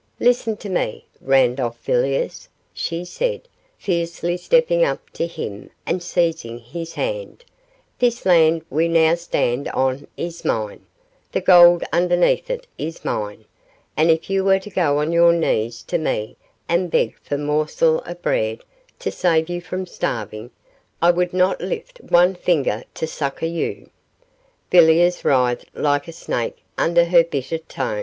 Listen to me, Randolph Villiers,' she said, fiercely, stepping up to him and seizing his hand, 'this land we now stand on is mine the gold underneath is mine; and if you were to go on your knees to me and beg for a morsel of bread to save you from starving, I would not lift one finger to succour you.' Villiers writhed like a snake under her bitter scorn.